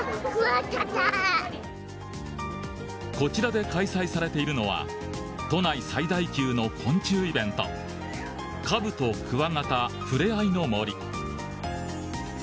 こちらで開催されているのは都内最大級の昆虫イベントカブト・クワガタふれあいの森。